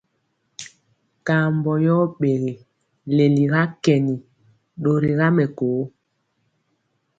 Kambɔ yɔ ɓegi leliga kɛni, ɗori ga mɛkoo.